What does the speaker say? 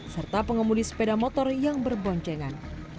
serta pengemudi sepeda motor yang berboncengan